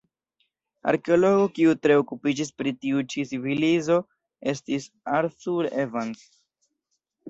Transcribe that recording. Arkeologo kiu tre okupiĝis pri tiu ĉi civilizo estis Arthur Evans.